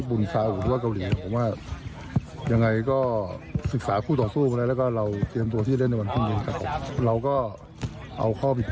ดูฟังมาเลเซียกันบ้างนะครับ